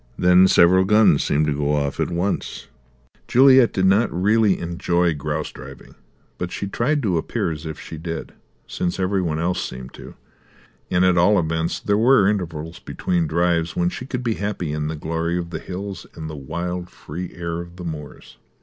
Then several guns seemed to go off at once. Bang! bang! bang! Bang! bang! bang! Juliet did not really enjoy grouse driving, but she tried to appear as if she did, since every one else seemed to, and at all events there were intervals between drives when she could be happy in the glory of the hills and the wild free air of the moors.